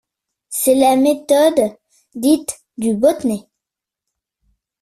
C'est la méthode dite du botnet.